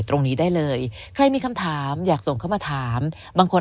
ตรงนี้ได้เลยใครมีคำถามอยากส่งเข้ามาถามบางคน